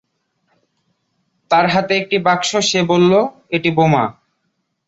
তার হাতে একটি বাক্স; সে বললো এটি বোমা।